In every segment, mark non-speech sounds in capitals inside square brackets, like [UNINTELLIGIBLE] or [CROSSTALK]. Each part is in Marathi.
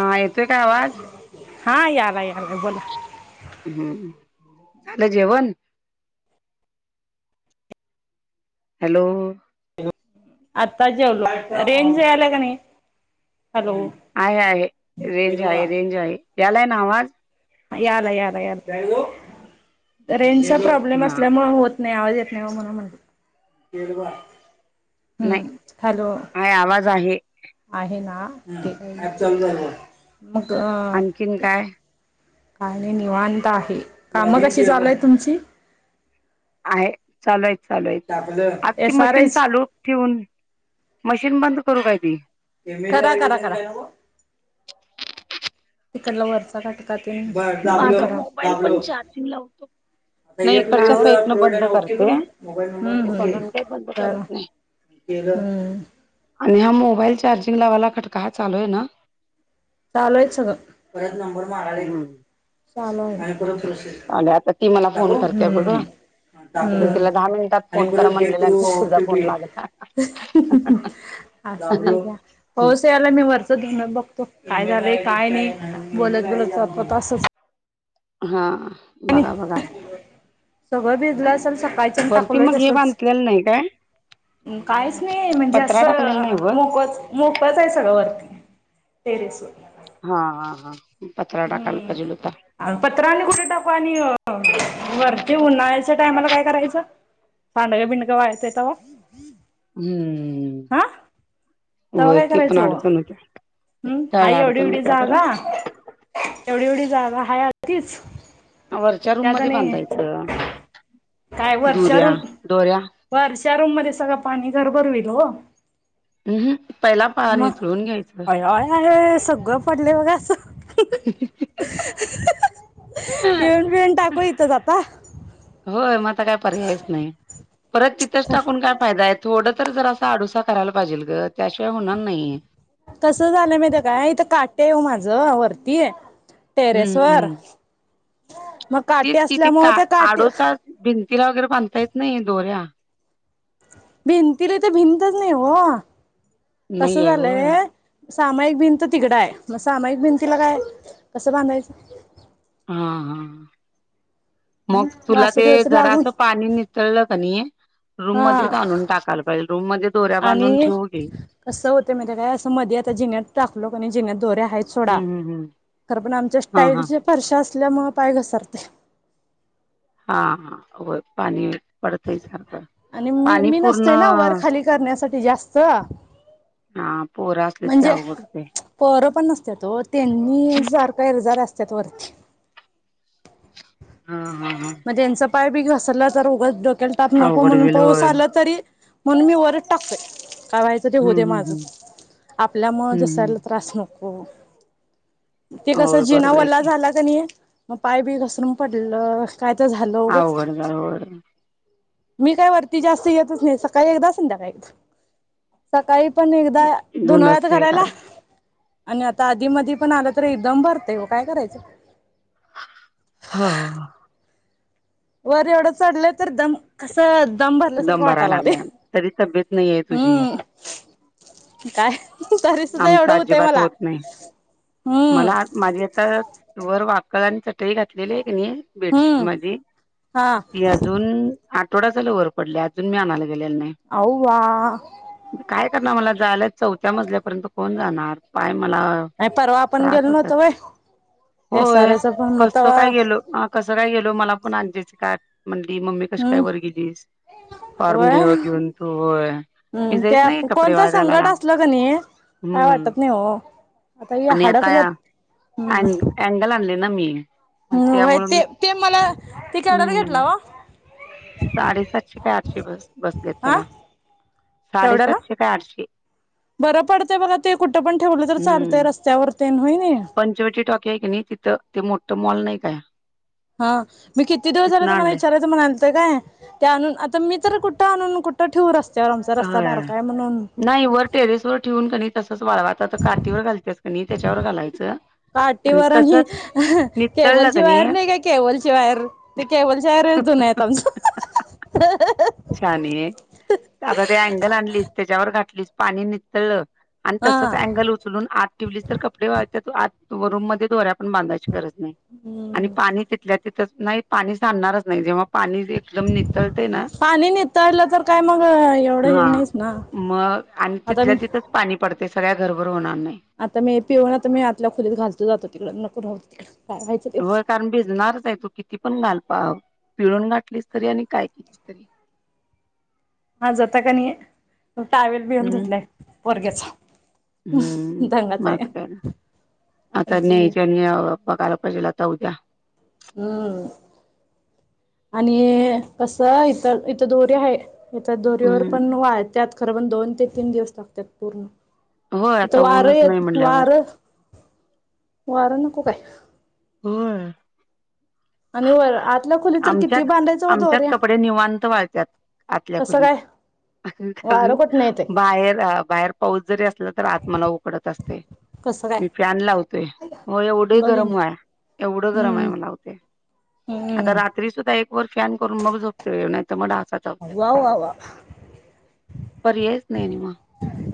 हा येतोय का आवाज? हा याला य यालाय बोला. हम्म लं जेवण. हॅलो. आता जेवलो रेंज यला का नाही हॅलो. आहे आहे रेंज आहे रेंज आहे यालाय ना आवाज. याला याला रेंजचा प्रॉब्लेम हा असल्यामुळे होत. नाही आवाज येत नाही ओ म्हणून म्हणते हम हॅलो. काय आवाज आहे. आहे ना ते मग अ आणखीन ते. काय काय नाही निवांत आहे काम कशी चालू आहेत तुमची. आहे चालूय चालूय आज ती एस आर मशीन एच चालू. ठेवून मशीन बंद करू काय ती. करा करा करा. तिकडला वरचाटका तेल दाबलो माझा मोबाईल दाबलो. पण चार्जिंग लावतो. नाही इकडच्या आता साईडनं प्रोड बंद ओके ग करते. मोबाईल ओके हम हम तिकडून काही बंद करत करा. नाही. हम. आणि हा मोबाईल चार्जिंग लावाला खटका हा चालूआहे ना. चालू आहे सगळं बच नूर माराले हम्म चालू आहेर. चाले आता ती मला फोन करते बघं. ा आणि बर करा घे म्हणलेला तू आणि ती तुझा टू बी. फोन लागला. असू दे ग. ल मी वरच धुणं बघतो काय झालंय काय नाही बोलत बोलत जातो अस. हा बघा बघा. सगळं भिजलं अस आणि सकाळच्यान वरती टाकलोय मग हे तसंच. बांधलेलं नाही काय काहीच नाही म्हणजे पत्रा टाकलेला नाही असं वर मोकच. मोकळच आहे वरती सगळं टेरेसवर. हा हा हा पत्रा टाकायल पाहिजेल होता. अ पत्रांने कुठे टाकू आणि वरती उन्हाळ्याच्या टायमाला काय करायचं. पांडग बिडगं वाळतय तवा. हम्म. तव्हा होय काय ते पण करायचं ओ अडचण होत्या हम् त्यावेळी हाय एवढी अडचण एवढी होत्या खरं जागा. एवढी एवढी जागा हाय हा तीच. वरच्या रूम मध्ये बांधायचं काय वरच्या दुऱ्या रूम दोऱ्या वरच्या रूम मध्ये सगळं पाणी घरभर होईल हो. हम्म पहिला पा मग नितळून घ्यायचं आया आया आया आया सगळं पडलय बघा. पिळून पिळून टाकू हितच आता होय मग आता काय पर्यायच नाही परत तिथंच टाकून काय- फायदा आहे थोडं तर जर असा आडुसा करायला पाहिजेल ग त्याशिवाय होणार नाही. कसं झालंय माहितीये काय इथं काठी ओ माझं वरती हम्म टेरेस वर हम्म मग काटी तेच कि का असल्यामुळे ते काटी आडोचा भिंतीला वगैरे बांधता येत नाही दोऱ्या भिंतीला इथं भिंतच नाही ओ कस नाही आहे होय झालंय सामायिक भिंत तिकडं आहे मग सामायिक भिंतीला काय कसं बांधायचं हा हा हम् मग तुला ते वासुदेवच लागून जरासं पाणी नि. कळलं क नाही रूम हा मध्येच आणून टाकायला पाहिजे रूम मध्ये दोऱ्या बांधून आणि ठेवू दे कसं होतं माहिती आहे काय असं मध्ये आता जिण्यात टाकलो जिण्यात दोरे आहेत सोडा हम्म हम्म हम्म खरं पण आमच्या हा हा स्टाईलचे फर्शा असल्या मुळं पाय घसरते हा हा होय पाणी पडतंय सारखं आणि मी पाणी मी पूर्ण नसतोय ना वर खाली करण्यासाठी जास्त हा पोरं अस म्हणजे पोरं पण नसत्यात हो त्यांनी सारखं येरझाऱ्या असत्यात वरती हा हा हा त्यांच पाय बी घसरलं तर उगाच डोक्याला ताप नको अवघड म्हणून होईल पाऊस होय आला तरी म्हणूनच मी वरच टाकतोय काय व्हायच ते होऊ हम्म दे हम्म माझं हम्म आपल्यामुळं हम्म हम्म दुसऱ्याला त्रास नको हो हो ते कसं होय जिना बरोबर आहे वल्ला की झाला नाही मग पाय बी घसरून पडलं काय तर झालं उगच अवघड होणार होय मी काय वरती जास्त येतच नाही सकाळी एकदा संध्याकाळी एकदा सकाळी पण एकदा धुनं वाळत धुनच हे घालायला करायला आणि आता आधी मधी पण आलं तरी दम भरतेंय हो काय करायचं हा हा हा वर एवढं चढल तर दम कस दम भरल्यासारखं भरायला वाटायला लागलय. लागलाय तरी तब्येत नाही आहे तुझी काय तरी सुद्धा आमचा एवढं होतय अजिबात मला होत नाही हम्म मला माझी आता वर वाकळ आणि चटई घातलेली आहे की नाही बेडशीट हम्म माझी हा ती अजून. दोन आठवडा झालं वर पडल्या अजून मी आणायला गेलेलो नाही अव्वा काय करणार मला जायला चौथ्या मजल्यापर्यंत कोण जाणार पाय मला आणि परवा आपण त्रास गेल होतात नव्हतो व्हय होय कसं काय [UNINTELLIGIBLE] गेलो कसं काय गेलो मला पण आंजीची का म्हणली मम्मी कशी काय हम्म वर गेलीस व्हय हम्म [UNINTELLIGIBLE] मी ते जात नाही आप कपडे कोणतं वाळत संकट घालायला असलं का नाही काय वाटत नाही हो आता ही हाड [UNINTELLIGIBLE] अँगल आणले ना मी मग होय त्यामुळे मी ते ते मला ते केवढ्याला घेतलं हम्म ओ साडेसातशे का आठशे बसल्यात हा त्याला केवढ्याला साडेसातशे का आठशे बरं पडतंय बघा ते कुठं पण ठेवलं तर चालतंय हम्म रस्त्यावर तेन होई नाय पंचवटी टॉकी आहे की तिथं ते मोठ मॉल नाही काय हा मी किती दिवस झालं तिथनं तुम्हाला आणलय विचारत असं म्हणालतं काय, ते आणून, आता मी तर कुठं आणून कुठं ठेऊ रस्त त्याच्यावर आमचा रस्ता होय बारकाय म्हणून नाही वर टेरेस वर ठेवून क णी तसच वाळवायच, आता काठीवर घालत्यास कनी त्याच्यावर घालायचं आणि काटीवर हि, तसंच नितळलं केबलची कणी वायर नाही काय केबलची वायर ते केबलची वायरच जून हाईत आमचं. शाने. आता ते अँगल आणलीस, त्याच्यावर घातलीस, पाणी नितळलं, आणि हा तसच अँगल उचलून आत ठेवलीस तर कपडे वाळत्यात, आत रूम मध्ये दोऱ्या पण बांधायची गरज नाही, आणि हम्म पाणी तिथल्या तिथंच नाही पाणी सांडनारच नाही, जेव्हा पाणी एकदम निथळतेना पाणी निथळल तर काय मग हे हां, नाहीच ना मग आणि आता तिथल्या मी तिथंच पाणी पडतय सगळ्या घरभर होणार नाही. आता मी पिळून आता मी आतल्या खोलीत घालतो जातो तिकडं, नको राहुदे तिकंड. होय, कारण भिजणारच हाय, तू किती पण घाल पिळून घातलीस तरी आणि काय केलीस तरी. आज आता क नाही, टावेल बिवेल हम्म धुतलाय पोरग्याचा. हम्म, दंगाच आहे माझं काय, आता आज्जींनी न्यायच न्यावं बघायला पाहिेजेल आता उद्या. हम्म,, आणि कसं, इथ इथं दोरी हाय इथं दोरीवर पण हम्म वाळत्यात, खरं पण दोन ते तीन दिवस लागत्यात पूर्ण. होय इथं आता वार ऊनच नाही येत म्हणल्यावर वारं, वारं नको काय. होय. आणि वर आतल्या खोली तर आमच्यात, किती बांधायचं व आमच्यात दोऱ्या कपडे निवांत वाळत्यात. आतल्या कसं काय खुलीत, वारं कुठनं येतंय बाहेर अ बाहेर पाऊस जरी असला तर आत मला उकडत असतय. कसं काय मी फॅन लावतोय, हो एवढं बघीन गरम हाय, एवढं गरम हाय हम्म म लावतय. आता हम्म रात्री सुद्धा एक वर फॅन करून मग झोपतोय, नाही तर मग डासा चावत्यात, वा वा वा पर्यायच नाही आणि मग.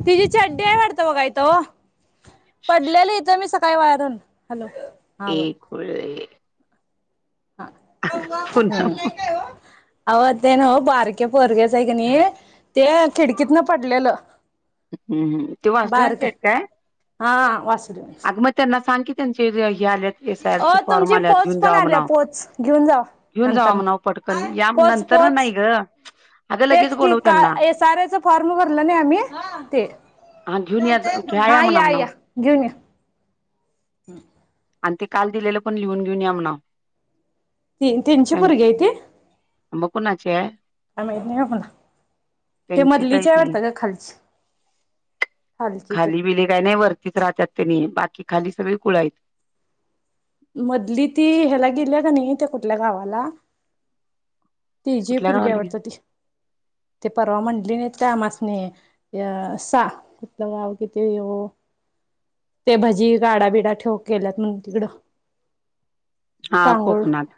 तिझी चड्डी आहे वाटतं बघा इथ ओ, पडलेली इथं मी स सकाळी वायरन हॅलो ए हां बोल खुळेऽऽऽ ह पुन्हा हम्म, आवं ते न्हवं बारक ते पोरग्याच आहे का नाही, ते खिडकीत न पडलेलं. हम्म, ते बारक वासुदेवांचे आहेत काय? हा वासुदेव. अग मग त्यांना सांग की त्यांचे हे आल्यात ओ एसआरचे फॉर्म तुमची आल्यात पोच घेऊन पण जावा आल्या म्हनाव, पोच घेऊन जावा घेऊन जावा नंतर म्हनाव पट पण, या, पोच नंतर न पोच नाही गं तेच की, का एसआरएचा फॉर्म भरलं नाही आम्ही, हं,, ते हा घेऊन या घ्या हा म्हणा या म्हणाव. या, घेऊन या. आण ते काल दिलेलं पण लिहून घेऊन या म्हणावं. ती तेनचि पोरगी आय ती. मग कुणाची हाय? काय माहित नाही बा मला, ते त्यांचीच मधलीचे आहे ती वाटतं ग खालची. खालचीचे खाली बीली काय नाही, वरतीच राहत्यात त्यनी, बाकी खाली सगळी कुळं हायत. मधली ती ह्याला गेल्या क नाही, त्या कुठल्या गावाला तीजी कुठल्या पुरगी हाय गावाला गे वाटतं ती,, ते परवा म्हणली नाहीत काय आम्हासणी या सा कुठलं गाव तिथे ओ ते भजी गाडाबिडा ठेव केल्यात म्हणून तिकडं हा सांगून कोकणात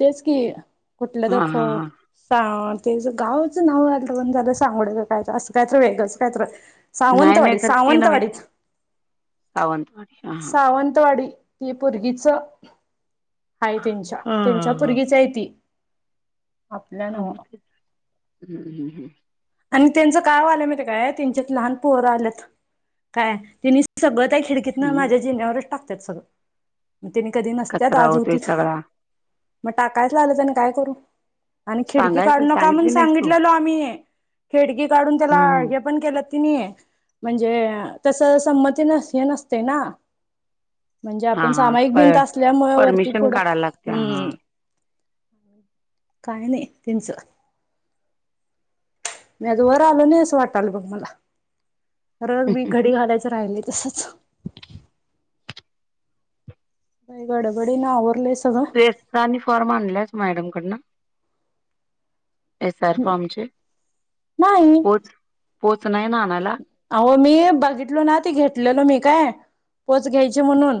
तेच की कुठलं तर हा हा खो. हा सां तेच गावचं नाव आलंत पण, झालं सांगड काय असं कायतर वेगंचं कायतर नाही नाही सावंतवाडी, खर ती नव्हे सावंतवाडीत, सावंतवाडी हा हा सावंतवाडी- ते पोरगीच आहे त्यांच्या, हा त्यांच्या हा हा पोरगीच आहे ती आपल्या हा मग नव्ह. ते हम्म हम् हम्. आणि त्यांचं काय व्हायला माहित काय? त्यांच्यात लहान पोर आल्यात काय तिनी सगळं त्या खिडकीत हम्म माझ्या जीनावरच टाकतात सगळं. मग तने कधी नसत्यात कचरा आज होतोय होतीत, सगळा मग टाकायच लागल्यात मग काय करू? आणि खिडकी काढू सांगायचं नंका म्हणून सांगितली नाहीस तू सांगितलेलो आम्ही खिडकी काढून त्याला हम्म हम्म हे. पण केला त्यांनी, म्हणजे तस संमती हे नसते ना म्हणजे हा आपण हा समाईक प भिंत असल्यामुळ वरती परमिशन पुढं, काढायला लागते हम्म.. हा काय नाही त्यांचं. मी आज वर आलो नाही अस वाटाल बग मला, रग बीग घडी घालायचं राहिल तसंच.. गडबडीन आवरलेस. ते एकटा आणि फॉर्म आणलाच मॅडम कडन? एस आरफ आमचे, नाही पोच पोच नाही ना आणायला? अहो मी बघितलो ना, ते घेतलेलो मी काय? पोच घ्यायची म्हणून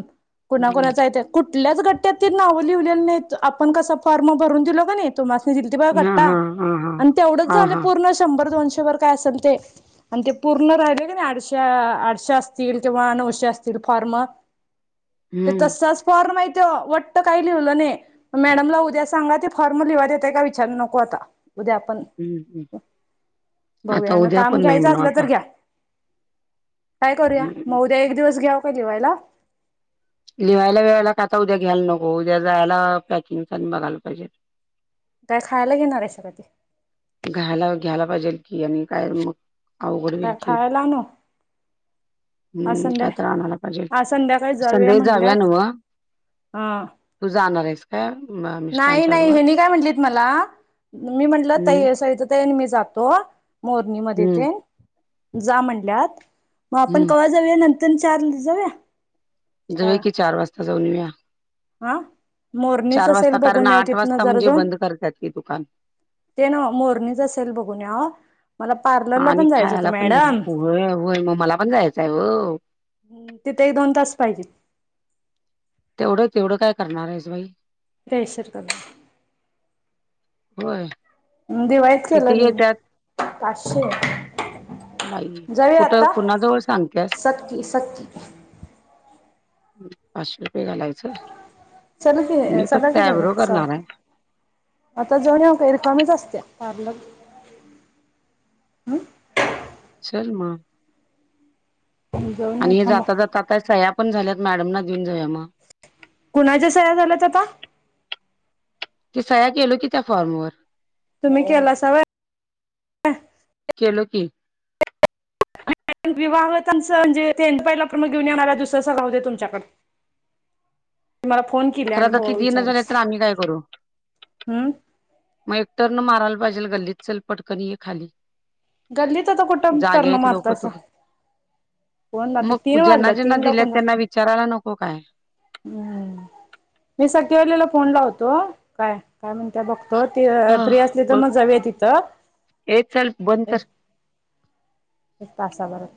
कुणा हम्म कोणाच येत कुठल्याच गट्यात त नावं लिहुलेली नाहीत आपण कस फॉर्म भरून दिलो कानि. तुम्हासनी दिली ते बघ हा गट्टा, हा हा हा आणि तेवढंच हा झालं हा पूर्ण शंभर दोनशे वर काय असेल ते आणि ते पूर्ण राहिले का नाही, आठशे आठशे असतील किंवा नऊशे असतील फॉर्म ते हम्म तसच फ्रॉम नाही तो, वट काही लिहुलं नाही. मॅडमला उद्या सांगा ते फॉर्म लिवाहय देतय का विचारू नको? आता उद्या आपण आता बघूया ना उद्या काम पण नाही, घ्यायचं म्हणो आता. [INAUDIBLE] काय करूया मग उद्या? एक दिवस घ्याव का लिवायला. लिहायला वेवायला का आता उद्या घ्यायला नको, उद्या जायला पॅकिंग बघायला पाहिजे. काय खायला घेणार आहेस काय? खायला घ्यायला पाहिजे की, आणि काय मग अवघड काय होईल की खायला आणू? आज हम्म काय तर आणायला पाहिजे संध्याकाळी जाऊया संध्याकाळी म्हटल्यात. हा. तु जाणार आहेस काय? नाही मिस्टरांच्या नाही बरोबर, हेनी काय म्हटलीत मला मी म्हंटलं हम्म तई सविता ताई आणि मी जातो. मोरणी मध्ये हम्म टेन जा म्हणल्यात, मग आपण हम्म कवा जाऊया नंतर न चार दिवस जाऊया. जाऊया का की चार वाजता, जाऊन येऊ या. हा, मोरणीच सेल वाजता कारण बघून येऊया आठ तिन वाजता जरा म्हणजे जाऊन बंद करतात की दुकान ते नव्ह मोरणीच सेल बघून याव मला पार आणि खायला पण होय, होय मग मला पण जायचं आहे हो. तिथ एक दोन तास पाहिजे. तेवढं तेवढं काय करणार आहेस. फेशियल करू. होय दिवाळीत केलं किती घेत्यात नाही पाचशे. बाई जाऊ कुठं आता कुणाजवळ सांगत्यास सकी सकी. पाचशे रुपये घालायचं. चला की, मी चला फक्त की सग आयब्रो स. करणार आहे आता जाऊन येऊ का हि रिकामीच आसत्या, पार्लर चल मग हम्म जाऊन येऊ आणि हे थांबा जाता जाता सह्या पण झाल्यात मॅडम ना देऊन जाऊ मग. कुणाच्या सह्या झाल्यात आता? ते सह्या केलो की त्या फॉर्मवर तुम्ही केलासा व्हय? केलं की विवाहतत्याचं म्हणजे पहिल घेऊन येणार दुसंर राहूदे तुमच्याकड. मला फोन केली खरं आणि आता ती बाव देईना झाल्या विचारलस तर आम्ही काय करू हम्म? मग एक टर्न माराला पाहिजेल गल्लीत चल पटकनये खाली. गल्लीत आता कुठं जागे टर्न आहेत लोक तो मारतासा? कोण आता मग तीन ज्यांना वाजलं ज्यांना तीन ला दिलेत कोण त्यांना विचारायला नको काय? हम्म मी सकिवालीला फोन लावतो काय. काय म्हणत्या बघतो, ते हा फ्री असली तर बघ मग जाऊया तिथं. ए चल बंद कर एक तासा भरात